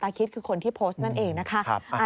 คิดคือคนที่โพสต์นั่นเองนะคะ